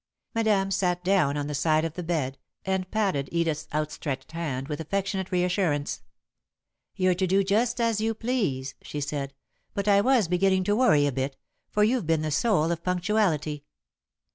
Madame sat down on the side of the bed and patted Edith's outstretched hand with affectionate reassurance. "You're to do just as you please," she said, "but I was beginning to worry a bit, for you've been the soul of punctuality."